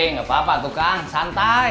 nggak apa apa tuh kang santai